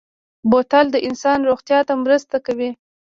بوتل د انسان روغتیا ته مرسته کوي.